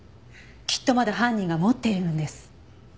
きっとまだ犯人が持っているんです。